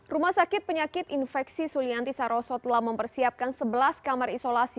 rumah sakit penyakit infeksi sulianti saroso telah mempersiapkan sebelas kamar isolasi